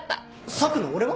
佐久野俺は？